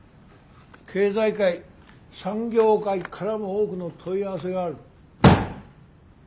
経済界産業界からも多くの問い合わせがある。